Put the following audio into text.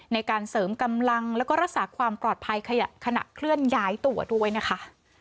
ในการเสริมกำลังแล้วก็รักษาความปลอดภัยขณะเคลื่อนย้ายตัวด้วยนะคะ